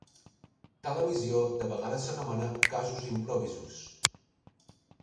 Tal omissió de vegades s'anomena "casus improvisus".